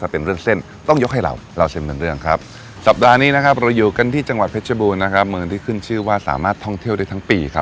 โปรดติดตามตอนต่อไป